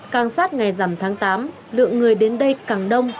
càng sát ngày dằm tháng tám lượng người đến đây càng đông